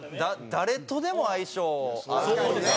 誰とでも相性合う。